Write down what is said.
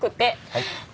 はい。